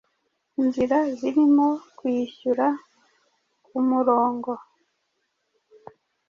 inzira zirimo kwishyura kumurongo